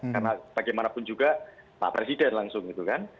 karena bagaimanapun juga pak presiden langsung gitu kan